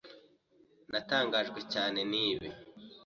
Natangajwe cyane nibi.